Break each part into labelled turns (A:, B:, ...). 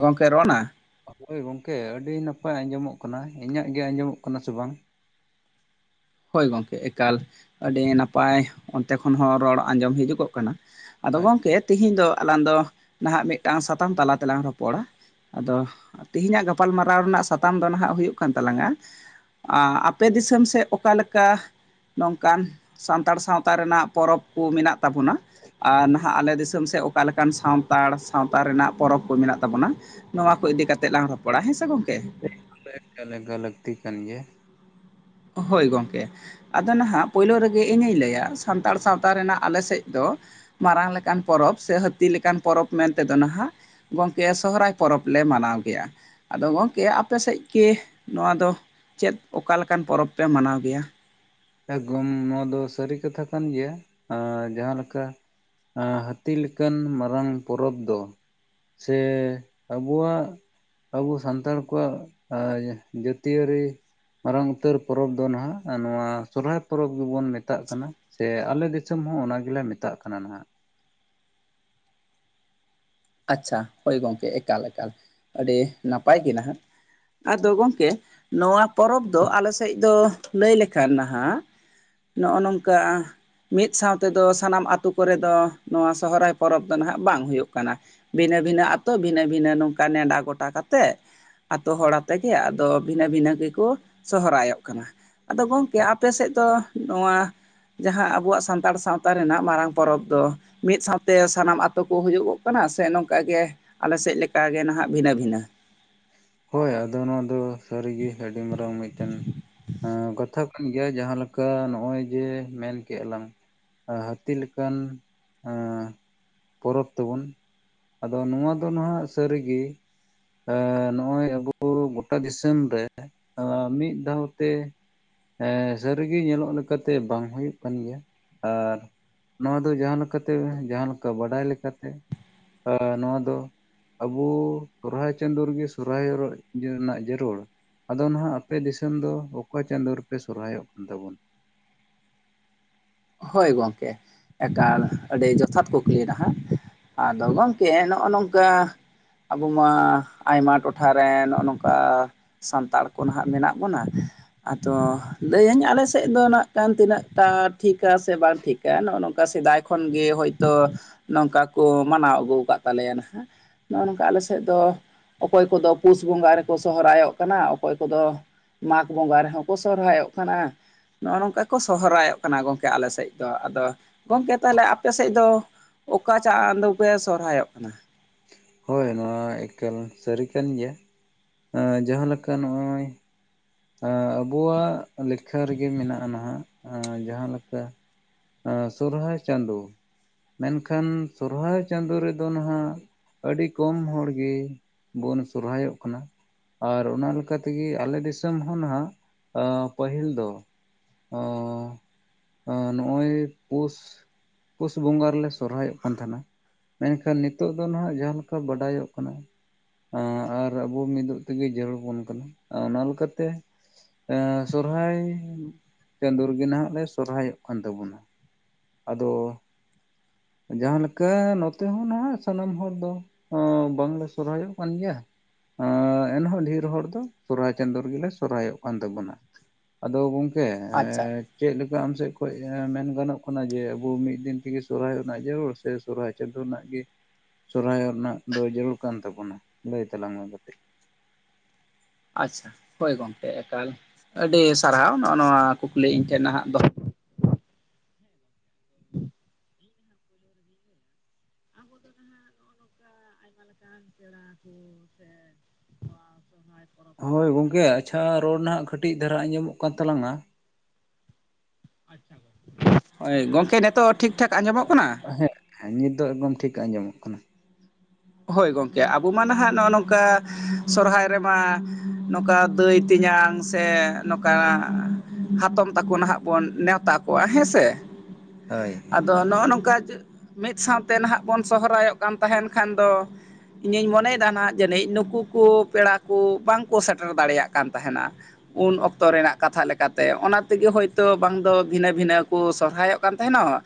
A: ᱜᱚᱝᱠᱮ ᱨᱚᱱᱟ
B: ᱦᱳᱭ ᱜᱚᱝᱠᱮ ᱟᱹᱰᱤ ᱱᱟᱯᱟᱭ ᱟᱸᱡᱚᱢᱚᱜ ᱠᱟᱱᱟ᱾ ᱤᱧᱟᱹᱜ ᱜᱮ ᱟᱸᱡᱚᱢᱚᱜ ᱠᱟᱱᱟ ᱥᱮ ᱵᱟᱝ?
A: ᱦᱳᱭ ᱜᱚᱝᱠᱮ ᱮᱠᱟᱞ, ᱟᱹᱰᱤ ᱱᱟᱯᱟᱭ ᱚᱱᱛᱮ ᱠᱷᱚᱱ ᱦᱚᱸ ᱨᱚᱲ ᱟᱸᱡᱚᱢ ᱦᱤᱡᱩᱜᱚᱜ ᱠᱟᱱᱟ᱾ ᱟᱫᱚ ᱜᱚᱢᱠᱮ
B: ᱟᱪᱪᱷᱟ
A: ᱛᱮᱦᱤᱧ ᱫᱚ ᱟᱞᱟᱝ ᱫᱚ, ᱱᱟᱦᱟᱜ ᱢᱤᱫᱴᱟᱝ ᱥᱟᱛᱟᱢ ᱛᱟᱞᱟ ᱛᱮᱞᱟᱝ ᱨᱚᱯᱚᱲᱟ᱾ ᱟᱫᱚ, ᱛᱮᱦᱤᱧᱟᱜ ᱜᱟᱯᱟᱞᱢᱟᱨᱟᱣ ᱨᱮᱱᱟᱜ ᱥᱟᱛᱟᱢ ᱫᱚ ᱱᱟᱦᱟᱸᱜ ᱦᱩᱭᱩᱜ ᱠᱟᱱ ᱛᱟᱞᱟᱝᱟ, ᱟ ᱟᱯᱮ ᱫᱤᱥᱚᱢ ᱥᱮᱫ ᱚᱠᱼᱼ ᱚᱠᱟᱞᱮᱠᱟ, ᱱᱚᱝᱠᱟᱱ, ᱥᱟᱱᱛᱟᱲ ᱥᱟᱶᱛᱟ ᱨᱮᱱᱟᱜ ᱯᱚᱨᱚᱵᱽ ᱠᱩ ᱢᱮᱱᱟᱜ ᱛᱟᱵᱚᱱᱟ, ᱟᱨᱼᱼ ᱱᱟᱦᱜ ᱟᱞᱮ ᱫᱤᱥᱚᱢ ᱥᱮᱫ ᱚᱠᱟ ᱞᱮᱠᱟᱱ ᱥᱟᱱᱛᱟᱲ ᱥᱟᱶᱛᱟ ᱨᱮᱱᱟᱜ ᱯᱚᱨᱚᱵᱽ ᱠᱚ ᱢᱮᱱᱟᱜ ᱛᱟᱵᱚᱱᱟ ᱱᱚᱣᱟ ᱠᱚ ᱤᱫᱤ ᱠᱟᱛᱮᱜ ᱞᱟᱝ ᱨᱚᱯᱚᱲᱟ ᱦᱮᱸ ᱥᱮ ᱜᱚᱝᱠᱮ᱾
B: [unintelligible] ᱮᱠᱟᱞ ᱮᱠᱟᱞ ᱞᱟᱹᱠᱛᱤ ᱠᱟᱱ ᱜᱮᱭᱟ
A: ᱦᱳᱭ ᱜᱚᱝᱠᱮ᱾ ᱟᱫᱚ ᱱᱟᱦᱟᱜ ᱯᱳᱭᱞᱳ ᱨᱮᱜᱮ ᱤᱧᱤᱧ ᱞᱟᱹᱭᱟ ᱥᱟᱱᱛᱟᱲ ᱥᱟᱶᱛᱟ ᱨᱮᱱᱟᱜ ᱟᱞᱮ ᱥᱮᱫ ᱫᱚ, ᱢᱟᱨᱟᱝ ᱞᱮᱠᱟᱱ ᱯᱚᱨᱚᱵᱽ ᱥᱮ ᱦᱟᱹᱛᱤ ᱞᱮᱠᱟᱱ ᱯᱚᱨᱚᱵᱽ ᱢᱮᱱᱛᱮᱫᱚ ᱱᱟᱦᱟᱜ, ᱜᱚᱝᱠᱮ ᱥᱚᱦᱚᱨᱟᱭ ᱯᱚᱨᱚᱵᱽ ᱞᱮ ᱢᱟᱱᱟᱣ ᱜᱮᱭᱟ᱾ ᱟᱫᱚ ᱜᱚᱝᱠᱮ ᱟᱯᱮ ᱥᱮᱫ ᱠᱮ, ᱱᱚᱣᱟ ᱫᱚ, ᱪᱮᱫ ᱚᱠᱟᱞᱮᱠᱟᱱ ᱯᱚᱨᱚᱵᱽ ᱯᱮ ᱢᱟᱱᱟᱣ ᱜᱮᱭᱟ?
B: ᱮᱠᱜᱚᱢ ᱱᱚᱣᱟ ᱫᱚ ᱥᱟᱹᱨᱤ ᱠᱟᱛᱷᱟ ᱠᱟᱱ ᱜᱮᱭᱟ, ᱡᱟᱦᱟᱸᱞᱮᱠᱟ ᱦᱟᱹᱛᱤ ᱞᱮᱠᱟᱱ ᱢᱟᱨᱟᱝ ᱯᱚᱨᱚᱵᱽ ᱫᱚ, ᱥᱮ ᱟᱵᱚᱣᱟᱜ ᱟᱵᱚ ᱥᱟᱱᱛᱟᱲ ᱠᱚᱣᱟᱜ-ᱟ, ᱟ ᱡᱟᱹᱛᱤᱭᱟᱹᱨᱤ ᱢᱟᱨᱟᱝ ᱩᱛᱟᱹᱨ ᱯᱚᱨᱚᱵᱽ ᱫᱚ ᱱᱟᱦᱟᱜ ᱱᱚᱣᱟ ᱥᱚᱨᱦᱟᱭ ᱯᱚᱨᱚᱵᱽ ᱜᱮᱵᱚᱱ ᱢᱮᱛᱟᱜ ᱠᱟᱱᱟ, ᱥᱮ ᱟᱞᱮ ᱫᱤᱥᱚᱢ ᱦᱚᱸ ᱚᱱᱟ ᱜᱮᱞᱮ ᱢᱮᱛᱟᱜ ᱠᱟᱱᱟ ᱱᱟᱦᱟᱜ᱾
A: ᱟᱪᱪᱷᱟ ᱦᱳᱭ ᱜᱚᱢᱠᱮ ᱮᱠᱟᱞ ᱮᱠᱟᱞ ᱟᱹᱰᱤ ᱱᱟᱯᱟᱭ ᱜᱮ ᱱᱟᱦᱟᱜ᱾ ᱟᱫᱚ ᱜᱚᱝᱠᱮ, ᱱᱚᱣᱟ ᱯᱚᱨᱚᱵᱽ ᱫᱚ ᱟᱞᱮ ᱥᱮᱫ ᱫᱚ, ᱞᱟᱹᱭ ᱞᱮᱠᱷᱟᱱ ᱱᱟᱦᱟᱜ ᱱᱚᱜᱼᱚ ᱱᱚᱝᱠᱟ ᱢᱤᱫ ᱥᱟᱶ ᱛᱮᱫᱚ ᱥᱟᱱᱟᱢ ᱟᱛᱳ ᱠᱚᱨᱮ ᱫᱚ ᱱᱚᱣᱟ ᱥᱚᱦᱨᱟᱭ ᱯᱚᱨᱚᱵᱽ ᱫᱚ ᱱᱟᱜ ᱵᱟᱝ ᱦᱳᱭᱳᱜ ᱠᱟᱱᱟ᱾ ᱵᱷᱤᱱᱟᱹ ᱵᱷᱤᱱᱟᱹ ᱟᱛᱳ ᱵᱷᱤᱱᱟᱹ ᱵᱷᱤᱱᱟᱹ ᱱᱚᱝᱠᱟ ᱱᱮᱰᱟ ᱜᱚᱴᱟ ᱠᱟᱛᱮᱫ ᱟᱛᱳ ᱦᱚᱲ ᱟᱛᱮᱜᱮ ᱟᱫᱚ ᱵᱷᱤᱱᱟᱹ ᱵᱷᱤᱱᱟᱹ ᱜᱮᱠᱚ ᱥᱚᱦᱨᱟᱭᱚᱜ ᱠᱟᱱᱟ ᱾ ᱟᱫᱚ ᱜᱚᱝᱠᱮ ᱟᱯᱮ ᱥᱮᱫ ᱫᱚ, ᱱᱚᱣᱟ ᱡᱟᱦᱟᱸ ᱟᱵᱚᱣᱟᱜ ᱥᱟᱱᱛᱟᱲ ᱥᱟᱶᱛᱟ ᱨᱮᱱᱟᱜ ᱢᱟᱨᱟᱝ ᱯᱚᱨᱚᱵᱽ ᱫᱚ, ᱢᱤᱫ ᱥᱟᱶᱛᱮ ᱥᱟᱱᱟᱢ ᱟᱛᱳ ᱠᱚ ᱦᱩᱭᱩ ᱜᱚᱜ ᱠᱟᱱᱟ ᱥᱮ ᱱᱚᱝᱠᱟᱜᱮ ᱟᱞᱮᱥᱮᱫ ᱞᱮᱠᱟᱜᱮ ᱱᱟᱦᱟᱜ ᱵᱷᱤᱱᱟᱹ ᱵᱷᱤᱱᱟᱹ ᱾
B: ᱦᱳᱭ ᱟᱫᱚ ᱱᱚᱣᱟ ᱫᱚ ᱥᱟᱹᱨᱤᱜᱮ ᱟᱹᱰᱤ ᱢᱟᱨᱟᱝ ᱢᱤᱫᱴᱮᱱ ᱠᱟᱛᱷᱚᱜ ᱜᱮᱭᱟ ᱡᱟᱦᱟᱸ ᱞᱮᱠᱟ ᱱᱚᱜᱼᱚᱭ ᱡᱮ ᱢᱮᱱ ᱠᱮᱜᱼᱟ ᱞᱟᱝ ᱾ ᱦᱟᱹᱛᱤ ᱞᱮᱠᱟᱱ ᱦᱟᱸ ᱯᱚᱨᱚᱵᱽ ᱛᱟᱵᱚᱱ, ᱟᱫᱚ ᱱᱚᱣᱟ ᱫᱚ ᱱᱟᱦᱟᱜ ᱥᱟᱹᱨᱤᱜᱮ ᱟ ᱱᱚᱜ ᱚᱭ ᱟᱵᱚ ᱜᱚᱴᱟ ᱫᱤᱥᱚᱢ ᱨᱮ, ᱢᱤᱫ ᱫᱷᱟᱣ ᱛᱮ ᱥᱟᱹᱨᱤᱜᱮ ᱧᱮᱞᱚᱜ ᱞᱮᱠᱟᱛᱮ ᱵᱟᱝ ᱦᱩᱭᱩᱜ ᱠᱟᱱ ᱜᱮᱭᱟ ᱟᱨ ᱱᱚᱣᱟ ᱫᱚ ᱡᱟᱦᱟᱸ ᱞᱮᱠᱟᱛᱮ ᱡᱟᱦᱟᱸ ᱞᱮᱠᱟ ᱵᱟᱰᱟᱭ ᱞᱮᱠᱟᱛᱮ ᱱᱚᱣᱟ ᱫᱚ, ᱟᱵᱩᱻ ᱥᱚᱦᱚᱨᱟᱭ ᱪᱟᱸᱫᱳ ᱨᱮᱜᱮ ᱾ ᱥᱚᱦᱚᱨᱟᱭ [unintelligible] ᱨᱮᱱᱟᱜ ᱡᱟᱹᱨᱩᱲ ᱟᱫᱚ ᱱᱟᱦᱟᱜ ᱟᱯᱮ ᱫᱤᱥᱚᱢ ᱫᱚ ᱚᱠᱟ ᱪᱟᱸᱫᱳ ᱨᱮᱯᱮ ᱥᱚᱦᱚᱨᱟᱭᱚᱜ ᱠᱟᱱ ᱛᱟᱵᱚᱱᱟ?
A: ᱦᱳᱭ ᱜᱚᱝᱠᱮ᱾ ᱮᱠᱟᱞ ᱟᱹᱰᱤ ᱡᱚᱛᱷᱟᱛ ᱠᱩᱠᱞᱤ ᱦᱟᱸᱜ, ᱟᱫᱚ ᱜᱚᱢᱠᱮ ᱱᱚᱜᱼᱚ ᱱᱚᱝᱠᱟ ᱟᱵᱚ ᱢᱟ ᱟᱭᱢᱟ ᱴᱚᱴᱷᱟᱨᱮ ᱱᱚᱜ-ᱚ ᱱᱚᱝᱠᱟ ᱥᱟᱱᱛᱟᱲ ᱠᱚ ᱱᱟᱦᱟᱸᱜ ᱢᱮᱱᱟᱜ ᱵᱚᱱᱟ, ᱟᱫᱚ ᱞᱟᱹᱭᱟᱹᱧ ᱟᱞᱮ ᱥᱮᱫ ᱫᱚ ᱱᱟᱜ ᱠᱷᱟᱱ ᱛᱤᱱᱟᱹᱜ ᱴᱟ ᱴᱷᱤᱠ, ᱪᱮᱫᱟᱜ ᱥᱮ ᱵᱟᱝ ᱴᱷᱤᱠᱟ ᱱᱚᱜ-ᱚ ᱱᱚᱝᱠᱟ ᱥᱮᱫᱟᱭ ᱠᱷᱚᱱᱜᱮ ᱦᱳᱭᱛᱳ ᱱᱚᱝᱠᱟ ᱠᱚ ᱢᱟᱱᱟᱣ ᱟᱹᱜᱩ ᱟᱠᱟᱟᱜ ᱛᱟᱞᱮᱭᱟ ᱱᱟᱦᱟᱜ ᱱᱚᱜ-ᱚ ᱱᱚᱝᱠᱟ ᱟᱞᱮ ᱥᱮᱫ ᱫᱚ ᱚᱠᱚᱭ ᱠᱚᱫᱚ ᱯᱩᱥ ᱵᱚᱸᱜᱟ ᱨᱮᱠᱚ ᱥᱚᱦᱚᱨᱟᱭᱚᱜ ᱠᱟᱱᱟ ᱚᱠᱚᱭ ᱠᱚᱫᱚ ᱢᱟᱜᱽ ᱵᱚᱸᱜᱟ ᱨᱮᱦᱚᱸ ᱠᱚ ᱥᱚᱦᱚᱨᱟᱭᱚᱜ ᱠᱟᱱᱟ ᱱᱚᱜ-ᱚ ᱱᱚᱝᱠᱟ ᱠᱚ ᱥᱚᱦᱚᱨᱟᱭᱚᱜ ᱠᱟᱱᱟ ᱜᱚᱝ ᱠᱮ ᱟᱞᱮ ᱥᱮᱫ ᱫᱚ ᱟᱫᱚ ᱜᱚᱝᱠᱮ ᱛᱟᱦᱚᱞᱮ ᱟᱯᱮ ᱥᱮᱫ ᱫᱚ ᱚᱠᱟ ᱪᱟᱸ-ᱫᱚ ᱯᱮ ᱥᱚᱦᱚᱨᱟᱭᱚᱜ ᱠᱟᱱᱟ?
B: ᱦᱳᱭ ᱱᱚᱣᱟ ᱮᱠᱟᱞ ᱥᱟᱹᱨᱤ ᱠᱟᱱ ᱜᱮᱭᱟ ᱡᱟᱦᱟᱸᱞᱮᱠᱟ ᱱᱚᱜ-ᱚᱭ ᱮ ᱟᱵᱚᱣᱟᱜ ᱞᱮᱠᱷᱟ ᱨᱮᱜᱮ ᱢᱮᱱᱟᱜ-ᱟ ᱱᱟᱦᱟᱜ ᱡᱟᱦᱟᱸᱞᱮᱠᱟ ᱥᱚᱨᱦᱟᱭ ᱪᱟᱸᱫ ᱢᱮᱱᱠᱷᱟᱱ ᱥᱚᱨᱦᱟᱭ ᱪᱟᱸᱫᱚ ᱨᱮᱫᱚ ᱱᱟᱦᱟᱜ ᱟᱹᱰᱤ ᱠᱚᱢ ᱦᱚᱲᱜᱮ ᱵᱚᱱ ᱥᱚᱨᱦᱟᱭᱚᱜ ᱠᱟᱱᱟ᱾ ᱟᱨ ᱚᱱᱟ ᱞᱮᱠᱟ ᱛᱮᱜᱮ ᱟᱞᱮ ᱫᱤᱥᱚᱢ ᱦᱚᱸ ᱱᱟᱦᱟᱜ ᱯᱟᱹᱦᱤᱞ ᱫᱚ ᱚ ᱱᱚᱜ-ᱚᱭ ᱯᱳᱥ ᱯᱩᱥ ᱵᱚᱸᱜᱟ ᱨᱮᱞᱮ ᱥᱚᱨᱦᱟᱭᱚᱜ ᱠᱟᱱ ᱛᱟᱦᱮᱱᱟ ᱾ ᱢᱮᱱᱠᱷᱟᱱ ᱱᱤᱛᱚᱜ ᱫᱚ ᱱᱟᱦᱟᱜ ᱡᱟᱦᱟᱸ ᱞᱮᱠᱟ ᱵᱟᱰᱟᱭᱚᱜ ᱠᱟᱱᱟ, ᱟᱨ ᱟᱵᱚ ᱢᱤᱫᱚᱜ ᱛᱮᱜᱮ ᱡᱟᱹᱨᱩᱲ ᱵᱚᱱ ᱠᱟᱱᱟ ᱚᱱᱟᱞ ᱞᱮᱠᱟᱛᱮ ᱥᱚᱨᱦᱟᱭ ᱪᱟᱸᱫᱚ ᱨᱮᱜᱮ ᱱᱟᱦᱟᱜ ᱞᱮ ᱥᱚᱨᱦᱟᱭᱚᱜ ᱠᱟᱱ ᱛᱟᱵᱚᱱᱟ ᱾ ᱟᱫᱚ ᱡᱟᱦᱟ ᱞᱮᱠᱟ ᱱᱚᱛᱮ ᱦᱚᱸ ᱱᱟᱜ ᱥᱟᱱᱟᱢ ᱦᱚᱲ ᱫᱚ ᱵᱟᱝᱞᱮ ᱥᱚᱨᱦᱟᱭᱚᱜ ᱠᱟᱱ ᱜᱮᱭᱟ᱾ ᱚ ᱮᱱᱦᱚᱸ ᱰᱷᱮᱨ ᱦᱚᱲ ᱫᱚ ᱥᱚᱨᱦᱟᱭ ᱪᱟᱸᱫᱳ ᱨᱮᱜᱮᱞᱮ ᱥᱚᱨᱦᱟᱭᱚᱜ ᱠᱟᱱ ᱛᱟᱵᱚᱱᱟ ᱾ ᱟᱫᱚ ᱜᱚᱝᱠᱮ
A: ᱟᱪᱪᱷᱟ
B: ᱮᱠ ᱪᱮᱫ ᱞᱮᱠᱟ ᱟᱢ ᱥᱮᱫ ᱠᱷᱚᱱ ᱢᱮᱱ ᱜᱟᱱᱚᱜ ᱠᱟᱱᱟ ᱡᱮ ᱟᱵᱚ ᱢᱤᱫ ᱫᱤᱱ ᱛᱮᱜᱮ ᱥᱚᱨᱦᱟᱭᱚᱜ ᱨᱮᱱᱟᱜ ᱡᱟᱹᱨᱩᱲ ᱥᱮ ᱥᱚᱨᱦᱟᱭ ᱪᱟᱸᱫᱳ ᱨᱮᱱᱟᱜ ᱜᱮ ᱥᱚᱨᱦᱟᱭᱚᱜ ᱨᱮᱱᱟᱜ ᱫᱚ ᱡᱟᱹᱨᱩᱲ ᱠᱟᱱ ᱛᱟᱵᱚᱱᱟ ᱞᱟᱹᱭ ᱛᱟᱞᱟᱝ ᱢᱮ ᱠᱟᱹᱴᱤᱡ?
A: ᱟᱪᱪᱷᱟ ᱦᱳᱭ ᱜᱚᱝᱠᱮ ᱮᱠᱟᱞ ᱟᱹᱰᱤ ᱥᱟᱨᱦᱟᱣ ᱱᱚᱜ-ᱚ ᱱᱚᱣᱟ ᱠᱩᱠᱞᱤ ᱤᱧ ᱴᱷᱮᱱ ᱱᱟᱦᱟᱜ ᱫᱚᱦᱚ [inaudible] ᱵᱟᱦᱟ ᱥᱚᱦᱚᱨᱟᱭ ᱯᱚᱨᱚᱵᱽ
B: ᱦᱳᱭ ᱜᱚᱝᱠᱮ ᱟᱪᱪᱷᱟ ᱨᱚᱲ ᱱᱟᱜ ᱠᱟᱹᱴᱤᱡ ᱫᱷᱟᱨᱟ ᱟᱸᱡᱚᱢᱚᱜ ᱠᱟᱱ ᱛᱟᱞᱟᱝ-ᱟ ᱾
A: ᱳᱭ ᱜᱚᱝᱠᱮ ᱱᱤᱛᱳᱜ?
B: ᱦᱮᱸ ᱱᱤᱛ ᱫᱚ ᱮᱠᱫᱚᱢ ᱴᱷᱤᱠ ᱟᱸᱡᱚᱢᱚᱜ ᱠᱟᱱᱟ
A: ᱦᱳᱭ ᱜᱚᱝᱠᱮ ᱟᱵᱚ ᱢᱟ ᱱᱟᱦᱟᱜ ᱱᱚᱜ-ᱚ ᱱᱚᱝᱠᱟ ᱥᱚᱨᱚᱦᱦᱟᱭ ᱨᱮᱢᱟ ᱱᱚᱝᱠᱟ ᱫᱟᱹᱭ ᱛᱮ ᱱᱚᱝᱠᱟ ᱱᱟᱜ ᱦᱟᱛᱚᱢ ᱛᱟᱠᱚ ᱱᱟᱦᱟᱜ ᱵᱚᱱ ᱱᱮᱶᱛᱟ ᱠᱚᱣᱟ ᱦᱮᱸᱥᱮ
B: ᱦᱳᱭ
A: ᱫᱚ ᱱᱚᱜ-ᱚ ᱱᱚᱝᱠᱟ ᱜᱤ ᱢᱤᱫ ᱥᱟᱶᱛᱮ ᱱᱟᱦᱟᱜ ᱵᱚᱱ ᱥᱚᱦᱨᱟᱭᱚᱜ ᱠᱟᱱ ᱛᱟᱦᱮᱱ ᱠᱷᱟᱱ ᱫᱚ ᱤᱧᱤᱧ ᱢᱚᱱᱮᱭᱮᱫᱟ ᱟᱸᱜ ᱡᱟᱹᱱᱤᱡ ᱱᱩᱠᱩ ᱠᱚ ᱯᱮᱲᱟ ᱠᱚ ᱵᱟᱝᱠᱚ ᱥᱮᱴᱮᱨ ᱫᱟᱲᱮᱭᱟᱜ ᱠᱟᱱ ᱛᱟᱦᱮᱱᱟ ᱩᱱ ᱚᱠᱛᱚ ᱨᱮᱱᱟᱜ ᱠᱟᱛᱷᱟ ᱞᱮᱠᱟᱛᱮ ᱚᱱᱟ ᱛᱮᱜᱮ ᱦᱳᱭᱛᱳ ᱵᱟᱝ ᱫᱚ ᱵᱷᱤᱱᱟᱹ ᱵᱷᱤᱱᱟᱹ ᱠᱚ ᱥᱚᱨᱦᱟᱭᱚᱜ? ᱠᱟᱱ ᱛᱟᱦᱮᱱᱚᱜ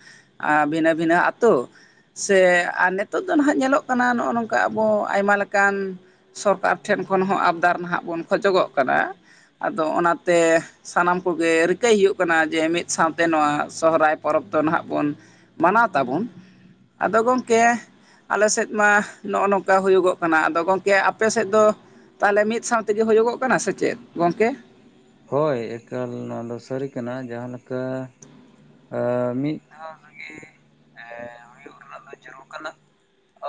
A: ᱵᱷᱤᱱᱟᱹ ᱵᱷᱤᱱᱟᱹ ᱟᱛᱳ ᱥᱮ ᱟᱨ ᱱᱤᱛᱚᱜ ᱫᱚ ᱱᱟᱦᱟᱜ ᱧᱮᱞᱚᱜ ᱠᱟᱱᱟ ᱱᱚᱜ-ᱚ ᱱᱚᱝᱠᱟ ᱟᱵᱚ ᱟᱭᱢᱟ ᱞᱮᱠᱟᱱ ᱥᱚᱨᱠᱟᱨ ᱴᱷᱮᱱ ᱠᱷᱚᱱ ᱦᱚᱸ ᱟᱵᱫᱟᱨ ᱱᱟᱦᱟᱜ ᱵᱚᱱ ᱠᱷᱚᱡᱚᱜᱚᱜ ᱠᱟᱱᱟ ᱟᱫᱚ ᱚᱱᱟᱛᱮ ᱥᱟᱱᱟᱢ ᱠᱚᱜᱮ ᱨᱤᱠᱟᱹᱭ ᱦᱩᱭᱩᱜ ᱠᱟᱱᱟ ᱡᱮ ᱢᱤᱫ ᱥᱟᱶᱛᱮ ᱱᱚᱣᱟ ᱥᱚᱦᱨᱟᱭ ᱯᱚᱨᱚᱵᱽ ᱫᱚ ᱱᱟᱦᱜ ᱵᱚᱱ ᱢᱟᱱᱟᱣ ᱛᱟᱵᱚᱱ ᱟᱫᱚ ᱜᱚᱝᱠᱮ ᱟᱞᱮ ᱥᱮᱫ ᱢᱟ ᱱᱚᱜ-ᱚ ᱱᱚᱝᱠᱟ ᱦᱩᱭᱩᱜᱚᱜ ᱠᱟᱱᱟ ᱟᱫᱚ ᱜᱚᱝᱠᱮ ᱟᱯᱮ ᱥᱮᱫ ᱫᱚ ᱛᱟᱦᱚᱞᱮ ᱢᱤᱫ ᱥᱟᱶ ᱛᱮᱜᱮ ᱦᱩᱭᱩᱜᱚᱜ ᱠᱟᱱᱟ ᱥᱮ ᱪᱮᱫ ᱜᱚᱝᱠᱮ?
B: ᱦᱳᱭ ᱮᱠᱟᱞ ᱱᱚᱣᱟ ᱫᱚ ᱥᱟᱹᱨᱤ ᱠᱟᱱᱟ ᱡᱟᱦᱟᱸ ᱞᱮᱠᱟ ᱮᱸ ᱢᱤᱫ ᱫᱷᱟᱣ ᱨᱮᱜᱤ ᱮᱸ ᱦᱩᱭᱩᱜ ᱨᱮᱱᱟᱜ ᱫᱚ ᱡᱟᱹᱨᱩᱲ ᱠᱟᱱᱟ᱾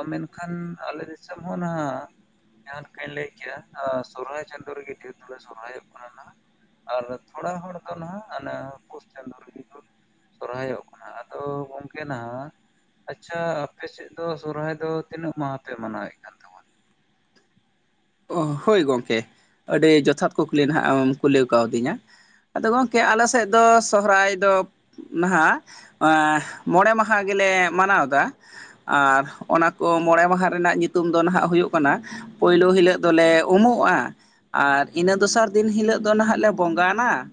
B: ᱢᱮᱱᱠᱷᱟᱱ ᱟᱞᱮ ᱫᱤᱥᱚᱢ ᱦᱚᱸ ᱱᱟᱦᱟᱜ ᱡᱟᱦᱟᱸ ᱞᱮᱠᱟᱧ ᱞᱟᱹᱭ ᱠᱮᱜ-ᱟ ᱥᱚᱨᱦᱟᱭ ᱪᱟᱸᱫᱳ ᱨᱮᱜᱮ ᱰᱷᱮᱨ ᱫᱚᱞᱮ ᱥᱚᱨᱦᱟᱭᱚᱜ ᱠᱟᱱᱟ ᱱᱟᱦᱟᱜ᱾ ᱟᱨ ᱛᱷᱚᱲᱟ ᱦᱚᱲ ᱫᱚ ᱱᱟᱦᱟᱜ ᱚᱱᱟ ᱯᱳᱥ ᱨᱮᱜᱮ ᱠᱚ ᱥᱚᱨᱦᱟᱭᱚᱜ ᱠᱟᱱᱟ᱾ ᱟᱫᱚ ᱜᱚᱝᱠᱮ ᱱᱟᱦᱟᱜ ᱟᱪᱪᱷᱟ ᱟᱯᱮ ᱥᱮᱫ ᱫᱚ ᱥᱚᱨᱦᱟᱭ ᱫᱚ ᱛᱤᱱᱟᱹᱜ ᱢᱟᱦᱟ ᱯᱮ ᱢᱟᱱᱟᱣᱮᱫ ᱠᱟᱱ? ᱛᱟᱵᱚᱱᱟ
A: ᱦᱳᱭ ᱜᱚᱝᱠᱮ, ᱟᱹᱰᱤ ᱡᱚᱛᱷᱟᱛ ᱠᱩᱠᱞᱤ ᱱᱟᱦᱟᱜ ᱮᱢ ᱠᱩᱞᱤ ᱠᱟᱣᱫᱤᱧᱟ᱾ ᱟᱫᱚ ᱜᱚᱝᱠᱮ ᱟᱞᱮ ᱥᱮᱫ ᱫᱚ ᱥᱚᱦᱚᱨᱟᱭ ᱫᱚ ᱱᱟᱦᱟᱜ ᱮᱸᱻ ᱢᱚᱬᱮ ᱢᱟᱦᱟ ᱜᱮᱞᱮ ᱢᱟᱱᱟᱣᱫᱟ᱾ ᱟᱨ ᱚᱱᱟ ᱠᱚ ᱢᱚᱬᱮ ᱢᱟᱦᱟ ᱨᱮᱱᱟᱜ ᱧᱩᱛᱩᱢ ᱫᱚ ᱱᱟᱦᱟᱜ ᱦᱩᱭᱩᱜ ᱠᱟᱱᱟ, ᱯᱩᱭᱞᱩ ᱦᱤᱞᱳᱜ ᱫᱚᱞᱮ ᱩᱢᱩᱜᱼᱟ, ᱟᱨ ᱤᱱᱟᱹ ᱫᱚᱥᱟᱨ ᱫᱤᱱ ᱦᱤᱞᱳᱜ ᱫᱚ ᱱᱟᱦᱟᱜ ᱞᱮ ᱵᱚᱸᱜᱟᱱᱟ,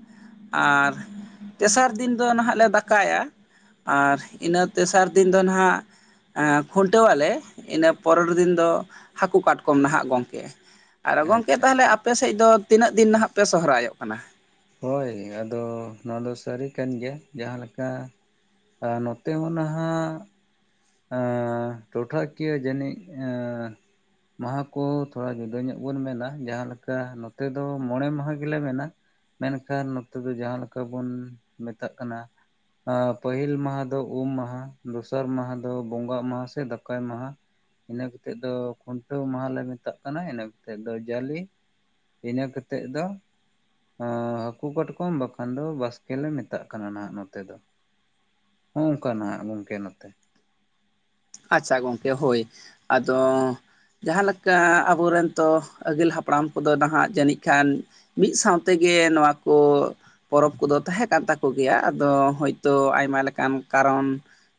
A: ᱟᱨ ᱛᱮᱥᱟᱨ ᱫᱤᱱ ᱫᱚ ᱱᱟᱦᱟᱜ ᱞᱮ ᱫᱟᱠᱟᱭᱟ, ᱟᱨ ᱤᱱᱟᱹ ᱛᱮᱥᱟᱨ ᱫᱤᱱ ᱫᱚ ᱱᱟᱦᱟᱜ ᱮᱸ ᱠᱷᱩᱱᱴᱟᱹᱣᱟᱞᱮ, ᱤᱱᱟᱹ ᱯᱚᱨᱮᱨ ᱫᱤᱱ ᱫᱚ ᱦᱟᱹᱠᱩ ᱠᱟᱴᱠᱚᱢ ᱱᱟᱦᱟᱜ ᱜᱚᱝᱠᱮ ᱾ ᱟᱨ ᱜᱚᱝᱠᱮ
B: ᱟᱪᱪᱷᱟ
A: ᱛᱟᱦᱚᱞᱮ
B: ᱟᱪᱪᱷᱟ
A: ᱟᱯᱮ ᱥᱮᱫ ᱫᱚ ᱛᱤᱱᱟᱹᱜ ᱫᱤᱱ ᱱᱟᱦᱟᱜ ᱯᱮ ᱥᱚᱦᱚᱨᱟᱭᱚᱜ ᱠᱟᱱᱟ?
B: ᱦᱳᱭ, ᱟᱫᱚ ᱱᱚᱣᱟ ᱫᱚ ᱥᱟᱹᱨᱤ ᱠᱟᱱ ᱜᱮᱭᱟ ᱡᱟᱦᱟᱸ ᱞᱮᱠᱟ ᱟᱨ ᱱᱚᱛᱮ ᱢᱟ ᱱᱟᱦᱟᱜ ᱮᱸ ᱴᱚᱴᱷᱟ ᱠᱤᱭᱟᱹ ᱡᱟᱹᱱᱤᱡ ᱮᱸᱻ ᱢᱟᱦᱟ ᱠᱚ ᱛᱷᱚᱲᱟ ᱡᱩᱫᱟᱹ ᱧᱚᱜ ᱵᱚᱱ ᱢᱮᱱᱟ ᱡᱟᱦᱟᱸ ᱞᱮᱠᱟ ᱱᱚᱛᱮ ᱫᱚ ᱢᱚᱬᱮ ᱢᱟᱦᱟ ᱜᱮᱞᱮ ᱢᱮᱱᱟ᱾ ᱢᱮᱱᱠᱷᱟᱱ ᱱᱚᱛᱮ ᱫᱚ ᱡᱟᱦᱟᱸ ᱞᱮᱠᱟ ᱵᱚᱱ ᱢᱮᱛᱟᱜ ᱠᱟᱱᱟ, ᱟᱸᱻ ᱯᱟᱹᱦᱤᱞ ᱢᱟᱦᱟ ᱫᱚ ᱩᱢ ᱢᱟᱦᱟ, ᱫᱚᱥᱟᱨ ᱢᱟᱦᱟ ᱫᱚ ᱵᱚᱸᱜᱟᱜ ᱢᱟᱦᱟ ᱥᱮ ᱫᱟᱠᱟᱭ ᱢᱟᱦᱟ, ᱤᱱᱟᱹ ᱠᱟᱛᱮᱫ ᱫᱚ ᱠᱷᱩᱱᱴᱟᱹᱣ ᱢᱟᱦᱟᱞᱮ ᱢᱮᱛᱟᱜ ᱠᱟᱱᱟ, ᱤᱱᱟᱹ ᱠᱟᱛᱮᱫ ᱫᱚ ᱡᱟᱞᱮ, ᱤᱱᱟᱹ ᱠᱟᱛᱮᱫ ᱫᱚ ᱟᱸᱻ ᱦᱟᱹᱠᱩ ᱠᱟᱴᱠᱚᱢ ᱵᱟᱠᱷᱟᱱ ᱫᱚ ᱵᱟᱥᱠᱮ ᱞᱮ ᱢᱮᱛᱟᱜ ᱠᱟᱱᱟ ᱱᱟᱦᱟᱜ ᱱᱚᱛᱮ ᱫᱚ᱾ ᱦᱚᱸᱜ ᱚᱝᱠᱟᱱᱟᱜ ᱜᱚᱝᱠᱮ ᱱᱚᱛᱮ᱾
A: ᱟᱪᱪᱷᱟ ᱜᱚᱝᱠᱮ ᱦᱳᱭ ᱟᱫᱚ ᱡᱟᱦᱟᱸ ᱞᱮᱠᱟ ᱟᱵᱚ ᱨᱮᱱ ᱛᱚ ᱟᱹᱜᱤᱞ ᱦᱟᱯᱲᱟᱢ ᱠᱚᱫᱚ ᱱᱟᱦᱟᱜ ᱡᱟᱹᱱᱤᱡ ᱠᱷᱟᱱ ᱢᱤᱫ ᱥᱟᱶ ᱛᱮᱜᱮ ᱱᱚᱣᱟ ᱠᱚ ᱯᱚᱨᱚᱵᱽ ᱠᱚᱫᱚ ᱛᱟᱦᱮᱸ ᱠᱟᱱ ᱛᱟᱠᱚ ᱜᱮᱭᱟ ᱟᱫᱚ ᱦᱚᱭᱛᱳ ᱟᱭᱢᱟ ᱞᱮᱠᱟᱱ ᱠᱟᱨᱚᱱ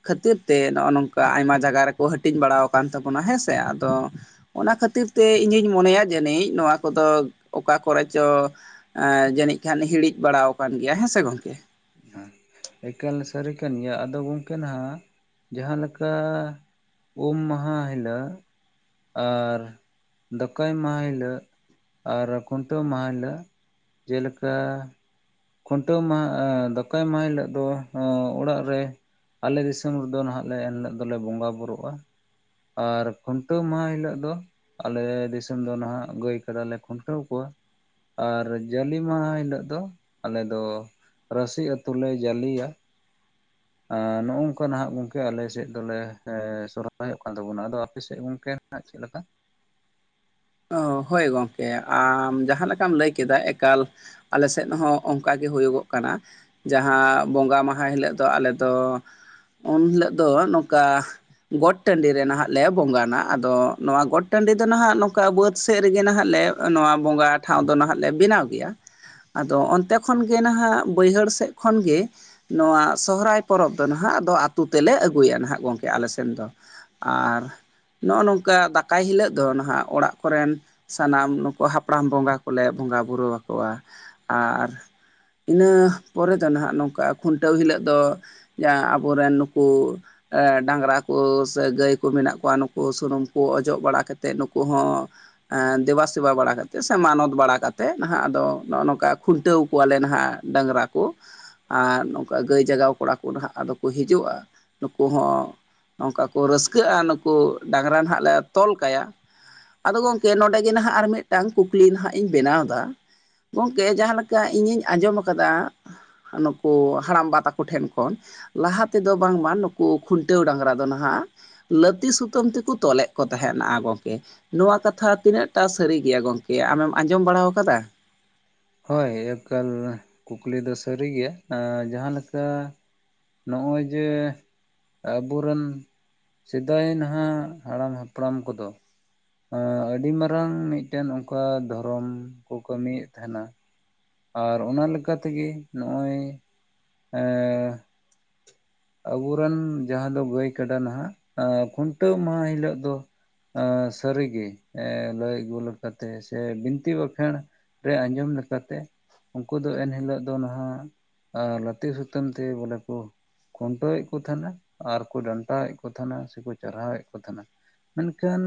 A: ᱠᱷᱟᱹᱛᱤᱨ ᱛᱮ ᱱᱚᱜᱼᱚ ᱱᱚᱝᱠᱟ ᱟᱭᱢᱟ ᱡᱟᱭᱜᱟ ᱨᱮᱠᱚ ᱦᱟᱹᱴᱤᱧ ᱵᱟᱲᱟᱣ ᱠᱟᱱ ᱛᱟᱵᱚᱱᱟ ᱦᱮᱸ ᱥᱮ ᱟᱫᱚ ᱚᱱᱟ ᱠᱷᱟᱹᱛᱤᱨ ᱛᱮ ᱤᱧᱤᱧ ᱢᱚᱱᱮᱭᱟ ᱡᱟᱹᱱᱤᱡ ᱱᱚᱣᱟ ᱠᱚᱫᱚ ᱚᱠᱟ ᱠᱚᱨᱮ ᱪᱚ ᱮ ᱡᱟᱹᱱᱤᱡ ᱠᱷᱟᱱ ᱦᱤᱲᱤᱡ ᱵᱟᱲᱟᱣ ᱟᱠᱟᱱ ᱜᱮᱭᱟ ᱦᱮᱸ ᱥᱮ ᱜᱚᱝᱠᱮ᱾
B: ᱮᱠᱟᱞ ᱥᱟᱹᱨᱤ ᱠᱟᱱ ᱜᱮᱭᱟ ᱟᱫᱚ ᱜᱚᱝᱠᱮ ᱱᱟᱦᱟᱜ ᱡᱟᱦᱟᱸ ᱞᱮᱠᱟ ᱩᱢ ᱢᱟᱦᱟ ᱦᱤᱞᱟᱹᱜ ᱟᱨ ᱫᱟᱠᱟᱭ ᱢᱟᱦᱟ ᱦᱤᱞᱟᱹᱜ ᱠ, ᱟᱨ ᱠᱷᱩᱱᱴᱟᱹᱣ ᱢᱟᱦᱟ ᱦᱤᱞᱟᱹᱜ, ᱡᱮ ᱞᱮᱠᱟ ᱠᱷᱩᱱᱴᱟᱹᱣ ᱢᱟᱦᱟ ᱟᱸ ᱫᱟᱠᱟᱭ ᱢᱟᱦᱟ ᱦᱤᱞᱳᱜ ᱫᱚ ᱚᱲᱟᱜ ᱨᱮ ᱟᱞᱮ ᱫᱤᱥᱚᱢ ᱨᱮᱫᱚ ᱱᱟᱦᱟᱜ ᱞᱮ ᱮᱱ ᱦᱤᱞᱳᱜ ᱫᱚᱞᱮ ᱵᱚᱸᱜᱟ ᱵᱩᱨᱩᱜᱼᱟ᱾ ᱟᱨ ᱠᱷᱩᱱᱴᱟᱹᱣ ᱢᱟᱦᱟ ᱦᱤᱞᱳᱜ ᱫᱚ ᱟᱞᱮ ᱫᱤᱥᱚᱢ ᱫᱚ ᱱᱟᱦᱟᱜ ᱜᱟᱹᱭ ᱠᱟᱰᱟᱞᱮ ᱠᱷᱩᱱᱴᱟᱹᱣ ᱠᱚᱣᱟ, ᱟᱨ ᱡᱟᱞᱤ ᱢᱟᱦᱟ ᱦᱤᱞᱳᱜ ᱫᱚ ᱟᱞᱮ ᱫᱚ ᱨᱟᱥᱤ ᱟᱹᱛᱩ ᱞᱮ ᱡᱟᱞᱤᱭᱟ᱾ ᱮᱸ ᱱᱚᱜ-ᱚ ᱚᱝᱠᱟ ᱱᱟᱦᱟᱜ ᱜᱚᱝᱠᱮ ᱟᱞᱮ ᱥᱮᱫ ᱫᱚᱞᱮ ᱮᱸ ᱥᱚᱨᱦᱟᱭᱚᱜ ᱠᱟᱱ ᱛᱟᱵᱚᱱᱟ᱾ ᱟᱫᱚ ᱟᱯᱮ ᱥᱮᱫ ᱜᱚᱝᱠᱮ ᱦᱟᱜ ᱪᱮᱫ ᱞᱮᱠᱟ?
A: ᱚ ᱦᱳᱭ ᱜᱚᱢᱠᱮ ᱟᱢ ᱡᱟᱦᱟᱸ ᱞᱮᱠᱟᱢ ᱞᱟᱹᱭ ᱠᱮᱫᱟ, ᱮᱠᱟᱞ ᱟᱞᱮ ᱥᱮᱫ ᱦᱚᱸ ᱚᱱᱠᱟ ᱜᱮ ᱦᱩᱭᱩᱜᱚᱜ ᱠᱟᱱᱟ᱾ ᱡᱟᱦᱟᱸ ᱵᱚᱸᱜᱟ ᱢᱟᱦᱟ ᱦᱤᱞᱳᱜ ᱫᱚ ᱟᱞᱮ ᱫᱚ ᱩᱱ ᱦᱤᱞᱳᱜ ᱫᱚ ᱱᱚᱝᱠᱟ ᱜᱚᱴ ᱴᱟᱺᱰᱤ ᱨᱮ ᱱᱟᱦᱟᱜ ᱞᱮ ᱵᱚᱸᱜᱟᱱᱟ ᱟᱫᱚ ᱱᱚᱣᱟ ᱜᱚᱴ ᱴᱟᱺᱰᱤ ᱫᱚ ᱱᱟᱦᱟᱜ ᱚᱱᱠᱟ ᱵᱟᱹᱫᱽ ᱥᱮᱫ ᱨᱮᱜᱮ ᱱᱟᱦᱟᱜ ᱞᱮ ᱱᱚᱣᱟ ᱵᱚᱸᱜᱟ ᱴᱷᱟᱶ ᱫᱚ ᱱᱟᱦᱟᱜ ᱞᱮ ᱵᱮᱱᱟᱣ ᱜᱮᱭᱟ᱾ ᱟᱫᱚ ᱚᱱᱛᱮ ᱠᱷᱚᱱ ᱜᱮ ᱱᱟᱦᱟᱜ ᱵᱟᱹᱭᱦᱟᱹᱲ ᱥᱮᱫ ᱠᱷᱚᱱ ᱜᱮ ᱱᱚᱣᱟ ᱥᱚᱦᱨᱟᱭ ᱯᱚᱨᱚᱵᱽ ᱫᱚ ᱱᱟᱦᱟᱜ ᱟᱫᱚ ᱟᱹᱛᱩ ᱛᱮᱞᱮ ᱟᱹᱜᱩᱭᱟ ᱱᱟᱦᱟᱜ ᱜᱚᱢᱠᱮ ᱟᱞᱮ ᱥᱮᱱ ᱫᱚ᱾ ᱟᱨ ᱱᱚᱜᱼᱚ ᱱᱚᱝᱠᱟ ᱫᱟᱠᱟᱭ ᱦᱤᱞᱳᱜ ᱫᱚ ᱱᱟᱦᱟᱜ ᱚᱲᱟᱜ ᱚᱲᱟᱜ ᱠᱚᱨᱮᱱ ᱥᱟᱱᱟᱢ ᱱᱩᱠᱩ ᱦᱟᱯᱲᱟᱢ ᱵᱚᱸᱜᱟ ᱠᱚᱞᱮ ᱵᱚᱸᱜᱟᱼᱵᱩᱨᱩ ᱟᱠᱚᱣᱟ, ᱟᱨ ᱤᱱᱟᱹ ᱯᱚᱨᱮ ᱫᱚ ᱱᱟᱦᱟᱜ ᱱᱚᱝᱠᱟᱼᱟ ᱠᱷᱩᱱᱴᱟᱹᱣ ᱦᱤᱞᱳᱜ ᱫᱚ ᱡᱟᱦᱟᱸ ᱟᱵᱚᱨᱮᱱ ᱱᱩᱠᱩ ᱰᱟᱝᱨᱟ ᱠᱚ ᱥᱮ ᱜᱟᱹᱭ ᱠᱚ ᱢᱮᱱᱟᱜ ᱠᱚᱣᱟ ᱱᱩᱠᱩ ᱥᱩᱱᱩᱢ ᱠᱚ ᱚᱡᱚᱜ ᱵᱟᱲᱟ ᱠᱟᱛᱮᱫ ᱱᱩᱠᱩ ᱦᱚᱸ ᱫᱮᱵᱟ ᱥᱮᱵᱟ ᱵᱟᱲᱟ ᱠᱟᱛᱮᱫ ᱥᱮ ᱢᱟᱱᱚᱛ ᱵᱟᱲᱟ ᱠᱟᱛᱮᱫ, ᱱᱟᱦᱟᱜ ᱟᱫᱚ ᱱᱚᱜᱼᱚ ᱱᱚᱝᱠᱟ ᱠᱷᱩᱱᱴᱟᱹᱣ ᱠᱚᱣᱟᱞᱮ ᱱᱟᱦᱟᱜ ᱰᱟᱝᱨᱟ᱾ ᱠᱚ
B: [inaudible]
A: ᱟᱨ ᱱᱚᱝᱠᱟ ᱜᱟᱹᱭ ᱡᱟᱜᱟᱣ ᱠᱚᱲᱟ ᱠᱚ ᱦᱟᱸᱜ ᱟᱫᱚ ᱠᱚ ᱦᱤᱡᱩᱜᱼᱟ, ᱱᱩᱠᱩ ᱦᱚᱸ ᱱᱚᱝᱠᱟ ᱠᱚ ᱨᱟᱹᱥᱠᱟᱹᱜᱼᱟ ᱱᱩᱠᱩ ᱰᱟᱝᱨᱟ ᱱᱟᱦᱟᱜ ᱞᱮ ᱛᱚᱞ ᱠᱟᱭᱟ ᱟᱫᱚ ᱜᱚᱢᱠᱮ ᱱᱚᱰᱮ ᱜᱮ ᱱᱟᱦᱱᱟᱜ ᱟᱨ ᱢᱤᱫᱴᱟᱱ ᱠᱩᱠᱞᱤ ᱱᱟᱦᱟᱜ ᱤᱧ ᱵᱮᱱᱟᱣᱫᱟ᱾ ᱜᱚᱢᱠᱮ ᱡᱟᱦᱟᱸ ᱞᱮᱠᱟ ᱤᱧᱤᱧ ᱟᱸᱡᱚᱢ ᱟᱠᱟᱫᱟ ᱱᱩᱠᱩ ᱦᱟᱲᱟᱢᱵᱟ ᱛᱟᱠᱚ ᱴᱷᱮᱱ ᱠᱷᱚᱱ ᱞᱟᱦᱟ ᱛᱮᱫᱚ ᱵᱟᱝᱢᱟ ᱱᱩᱠᱩ ᱠᱷᱩᱱᱴᱟᱹᱣ ᱰᱟᱝᱨᱟ ᱫᱚ ᱱᱟᱦᱟᱜ ᱞᱟᱹᱛᱤ ᱥᱩᱛᱟᱹᱢ ᱛᱮᱠᱚ ᱛᱚᱞᱮᱜ ᱠᱚ ᱛᱟᱦᱮᱱᱟ ᱜᱚᱢᱠᱮ ᱱᱚᱣᱟ ᱠᱟᱛᱷᱟ ᱛᱤᱱᱟᱜ ᱴᱟ ᱥᱟᱹᱨᱤ ᱜᱮᱭᱟ ᱜᱚᱢᱠᱮ ᱟᱢᱮᱢ ᱟᱸᱡᱚᱢ ᱵᱟᱲᱟᱣ ᱟᱠᱟᱫᱟ?
B: ᱦᱳᱭ ᱮᱠᱟᱞ ᱠᱩᱠᱞᱤ ᱫᱚ ᱥᱟᱹᱨᱤ ᱜᱮᱭᱟ, ᱡᱟᱦᱟᱸᱞᱮᱠᱟ ᱱᱚᱜᱼᱚᱭ ᱡᱮ ᱟᱵᱚᱨᱮᱱ ᱥᱮᱫᱟᱭ ᱱᱟᱦᱟᱜ ᱦᱟᱲᱟᱢ ᱦᱟᱯᱲᱟᱢ ᱠᱚᱫᱚ ᱟᱹᱰᱤ ᱢᱟᱨᱟᱝ ᱢᱤᱫᱴᱮᱱ ᱚᱱᱠᱟ ᱫᱷᱚᱨᱚᱢ ᱠᱚ ᱠᱟᱹᱢᱤᱭᱮᱫ ᱛᱟᱦᱮᱱᱟ᱾ ᱟᱨ ᱚᱱᱟ ᱞᱮᱠᱟ ᱛᱮᱜᱮ ᱱᱚᱜᱼᱚᱭ ᱮᱸ ᱟᱵᱚᱨᱮᱱ ᱡᱟᱦᱟᱸ ᱫᱚ ᱜᱟᱭ ᱠᱟᱰᱟ ᱱᱟᱦᱟᱜ ᱠᱷᱩᱱᱴᱟᱹᱣ ᱢᱟᱦᱟ ᱦᱤᱞᱳᱜ ᱫᱚ ᱥᱟᱹᱨᱤ ᱜᱮ ᱞᱟᱹᱭ ᱟᱹᱜᱩ ᱞᱮᱠᱟᱛᱮ ᱥᱮ ᱵᱤᱱᱛᱤ ᱵᱟᱠᱷᱮᱬ ᱛᱮ ᱟᱸᱡᱚᱢ ᱞᱮᱠᱟᱛᱮ ᱩᱱᱠᱩ ᱫᱚ ᱮᱱᱦᱤᱞᱳᱜ ᱫᱚ ᱱᱟᱦᱟᱜ ᱞᱟᱹᱛᱤ ᱥᱩᱛᱟᱹᱢ ᱛᱮ ᱵᱚᱞᱮ ᱠᱚ ᱠᱷᱩᱱᱴᱟᱹᱣᱮᱫ ᱠᱚ ᱛᱟᱦᱮᱱᱟ, ᱟᱨᱠᱚ ᱰᱟᱱᱴᱟᱣᱮᱫ ᱠᱚ ᱛᱟᱦᱮᱱᱟ, ᱥᱮᱠᱚ ᱪᱟᱨᱦᱟᱣ ᱮᱫ ᱠᱚ ᱛᱟᱦᱮᱱᱟ᱾ ᱢᱮᱱᱠᱷᱟᱱ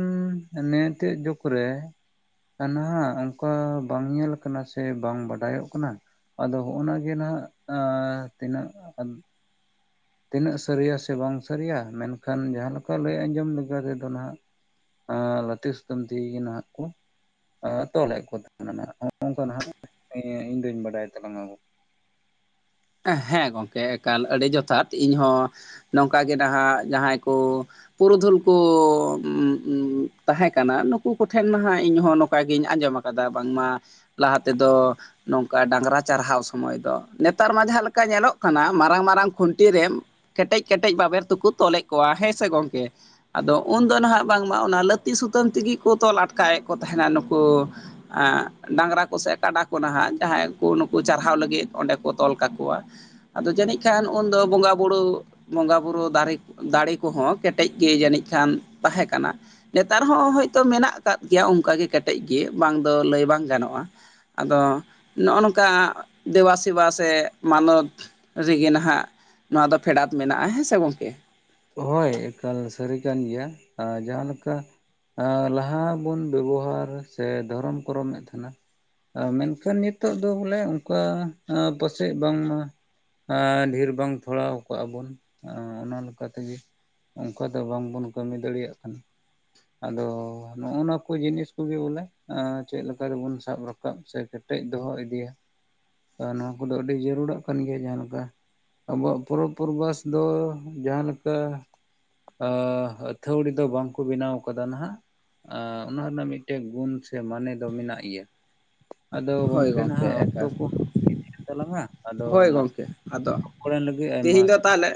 B: ᱱᱮᱭᱮᱛᱮᱜ ᱡᱩᱜᱽ ᱨᱮ ᱱᱟᱦᱟᱜ ᱚᱱᱠᱟ ᱵᱟᱝ ᱧᱮᱞ ᱟᱠᱟᱱᱟ ᱥᱮ ᱵᱟᱝ ᱵᱟᱰᱟᱭᱚᱜ ᱠᱟᱱᱟ᱾ ᱟᱫᱚ ᱦᱚᱜᱼᱱᱟ ᱜᱮ ᱱᱟᱦᱟᱜ ᱟᱸ ᱛᱤᱱᱟᱹᱜ ᱟᱫ ᱛᱤᱱᱟᱹᱜ ᱥᱟᱹᱨᱤᱭᱟ ᱥᱮ ᱵᱟᱝ ᱥᱟᱹᱨᱤᱭᱟ ᱢᱮᱱᱠᱷᱟᱱ ᱡᱟᱦᱟᱸ ᱞᱮᱠᱟ ᱞᱟᱹᱭ ᱟᱸᱡᱚᱢ ᱞᱮᱠᱟ ᱛᱮᱫᱚ ᱱᱟᱦᱟᱜ ᱮ ᱞᱟᱛᱤ ᱥᱩᱛᱟᱹᱢ ᱛᱤᱜᱩ ᱜᱮ ᱱᱟᱦᱟᱜ ᱠᱩ ᱛᱚᱞᱮᱫ ᱠᱚ ᱛᱟᱦᱮᱱᱟ ᱱᱚᱜ ᱱᱚᱝ ᱠᱟᱜ ᱤᱧ ᱫᱩᱧ ᱵᱟᱰᱟᱭ ᱛᱟᱞᱟᱝ ᱟ᱾
A: ᱦᱮᱸ ᱜᱚᱢᱠᱮ ᱮᱠᱟᱞ ᱟᱹᱰᱤ ᱡᱚᱛᱷᱟᱛ ᱤᱧᱦᱚᱸ ᱱᱚᱝᱠᱟ ᱜᱮ ᱱᱟᱦᱟᱜ ᱡᱟᱦᱟᱸᱭ ᱠᱚ ᱯᱩᱨᱩᱫᱷᱩᱞ ᱠᱚ ᱛᱟᱦᱮᱸᱠᱟᱱᱟ ᱱᱩᱠᱩ ᱠᱚᱴᱷᱮᱱ ᱢᱟ ᱦᱟᱜ ᱱᱚᱝᱠᱟ ᱜᱤᱧ ᱟᱸᱡᱚᱢ ᱟᱜᱩ ᱠᱟᱫᱟ ᱵᱟᱝᱢᱟ ᱞᱟᱦᱟ ᱛᱮᱫᱚ ᱱᱚᱝᱠᱟ ᱰᱟᱝᱨᱟ ᱪᱟᱨᱦᱟᱣ ᱥᱚᱢᱚᱭ ᱫᱚ, ᱱᱮᱛ ᱱᱮᱛᱟᱨ ᱢᱟ ᱡᱟᱦᱟᱸ ᱞᱮᱠᱟ ᱧᱮᱞᱚᱜ ᱠᱟᱱᱟ ᱢᱟᱨᱟᱝ ᱢᱟᱨᱟᱝ ᱠᱷᱩᱱᱴᱤ ᱨᱮ ᱠᱮᱴᱮᱡ ᱠᱮᱴᱮᱡ ᱵᱟᱵᱮᱨ ᱛᱮᱠᱚ ᱛᱚᱞᱮᱫ ᱠᱚᱣᱟ ᱦᱮᱸ ᱥᱮ ᱜᱚᱝᱠᱮ? ᱟᱫᱚ ᱩᱱᱫᱚ ᱱᱟᱦᱟᱜ ᱵᱟᱝᱢᱟ ᱚᱱᱟ ᱞᱟᱹᱛᱤ ᱥᱩᱛᱟᱹᱢ ᱛᱮᱜᱮ ᱠᱚ ᱛᱚᱞ ᱟᱴᱠᱟᱭᱮᱫ ᱠᱚ ᱛᱟᱦᱮᱱᱟ ᱱᱩᱠᱩ ᱮ ᱰᱟᱝᱨᱟ ᱠᱚᱥᱮ ᱠᱟᱰᱟ ᱠᱚ ᱱᱟᱦᱟᱜ ᱡᱟᱦᱟᱸᱭ ᱠᱚ ᱱᱩᱠᱩ ᱪᱟᱨᱦᱟᱣ ᱞᱟᱹᱜᱤᱫ ᱚᱸᱰᱮ ᱛᱚᱞ ᱠᱟᱠᱚᱣᱟ ᱟᱫᱚ ᱡᱟᱹᱱᱤᱡ ᱠᱷᱟᱱ ᱩᱱᱫᱚ ᱵᱚᱸᱜᱟ ᱵᱩᱨᱩ ᱵᱚᱸᱜᱟ ᱵᱩᱨᱩ ᱫᱟᱨᱮ ᱫᱟᱲᱮ ᱠᱚᱦᱚᱸ ᱠᱮᱴᱮᱡ ᱜᱮ ᱡᱟᱹᱱᱤᱡ ᱠᱷᱟᱱ ᱛᱟᱦᱮᱸ ᱠᱟᱱᱟ᱾ ᱱᱮᱛᱟᱨ ᱦᱚᱸ ᱦᱚᱳᱭᱛᱳ ᱢᱮᱱᱟᱜ ᱟᱠᱟᱫ ᱜᱮᱭᱟ ᱚᱱᱠᱟᱜᱮ ᱠᱮᱴᱮᱡ ᱜᱮ ᱵᱟᱝ ᱫᱚ ᱞᱟᱹᱭ ᱵᱟᱝ ᱜᱟᱱᱚᱜᱼᱟ᱾ ᱟᱫᱚ ᱱᱚᱜᱼᱚ ᱱᱚᱝᱠᱟ ᱫᱮᱵᱟ ᱥᱤ ᱥᱤᱵ ᱥᱮ ᱢᱟᱱᱚᱛ ᱨᱮᱜᱮ ᱱᱟᱦᱟᱜ ᱱᱚᱣᱟ ᱫᱚ ᱯᱷᱮᱰᱟᱛ ᱢᱮᱱᱟᱜᱼᱟ ᱦᱮᱸ ᱥᱮ ᱜᱚᱝᱠᱮ?
B: ᱦᱳᱭ ᱮᱠᱟᱞ ᱥᱟᱹᱨᱤ ᱠᱟᱱ ᱜᱮᱭᱟ ᱟᱨ ᱡᱟᱦᱟᱸᱞᱮᱠᱟ᱾ ᱟᱸᱻ ᱞᱟᱦᱟ ᱵᱚᱱ ᱵᱮᱵᱚᱦᱟᱨ ᱥᱮ ᱫᱷᱚᱨᱚᱢ ᱠᱚᱨᱚᱢ ᱮᱫ ᱛᱟᱦᱮᱱᱟ᱾ ᱟᱨ ᱢᱮᱱᱠᱷᱟᱱ ᱱᱤᱛᱚᱜ ᱫᱚ ᱵᱚᱞᱮ ᱚᱱᱠᱟ ᱟᱸ ᱯᱟᱥᱮᱡ ᱵᱟᱝᱢᱟ᱾ ᱟᱸᱻ ᱰᱷᱮᱨ ᱵᱟᱝ ᱛᱷᱚᱲᱟᱣ ᱠᱟᱜᱼᱟ ᱵᱚᱱ ᱟ ᱚᱱᱟ ᱚᱱᱠᱟ ᱛᱮᱜᱮ ᱚᱱᱠᱟ ᱫᱚ ᱵᱟᱝ ᱵᱚᱱ ᱠᱟᱹᱢᱤ ᱫᱟᱲᱮᱭᱟᱜ ᱠᱟᱱᱟ᱾ ᱟᱫᱚ ᱱᱚᱜ ᱱᱚᱶᱟ ᱠᱚ ᱡᱤᱱᱤᱥ ᱠᱚᱜᱮ ᱵᱚᱞᱮ ᱟᱨ ᱪᱮᱫ ᱞᱮᱠᱟ ᱨᱮᱵᱚᱱ ᱥᱟᱵ ᱨᱟᱠᱟᱵ ᱥᱮ ᱪᱮᱫ ᱟ ᱴᱮᱡ ᱫᱚᱦᱚ ᱤᱫᱤᱭᱟ ᱟᱨ ᱱᱚᱣᱟ ᱠᱚᱫᱚ ᱟᱹᱰᱤ ᱡᱟᱹᱨᱩᱲᱟᱜ ᱠᱟᱱ ᱜᱮᱭᱟ ᱡᱟᱦᱟᱸ ᱞᱮᱠᱟ ᱾ ᱟᱵᱚᱣᱟᱜ ᱯᱚᱨᱚᱵᱽ ᱯᱚᱨᱵᱷᱟᱥ ᱫᱚ ᱡᱟᱦᱟ ᱞᱮᱠᱟ ᱟᱻ ᱟᱹᱛᱷᱟᱹᱲᱤ ᱫᱚ ᱵᱟᱝᱠᱚ ᱵᱮᱱᱟᱣ ᱠᱟᱫᱟ ᱱᱟᱦᱟᱜ᱾ ᱟᱸᱻ ᱚᱱᱟ ᱨᱮᱱᱟᱜ ᱢᱤᱫᱴᱮᱱ ᱜᱩᱱ ᱥᱮ ᱢᱟᱱᱮ ᱫᱚ ᱢᱮᱱᱟᱜ ᱜᱮᱭᱟ᱾ ᱟᱫᱚ
A: ᱦᱳᱭ
B: ᱜᱚᱝᱠᱮ ᱱᱟᱦᱟᱜ ᱚᱠᱛᱚ
A: ᱮᱠᱟᱞ
B: ᱠᱚ, ᱦᱳᱭᱮᱱ ᱛᱟᱞᱟᱝᱟ ᱟᱫᱚ
A: ᱦᱳᱭ
B: ᱢᱟ
A: ᱜᱚᱝᱠᱮ ᱟᱫᱚ
B: ᱨᱚᱯᱚᱲ ᱮᱱ ᱞᱟᱹᱜᱤᱫ ᱟᱭᱢᱟ
A: ᱛᱮᱦᱮᱧ ᱫᱚ ᱛᱟᱦᱚᱞᱮ